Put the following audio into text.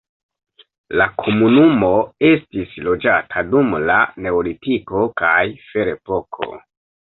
La komunumo estis loĝata dum la neolitiko kaj ferepoko.